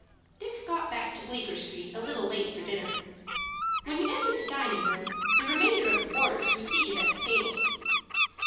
Dick got back to Bleecker Street a little late for dinner. When he entered the dining room, the remainder of the boarders were seated at the table.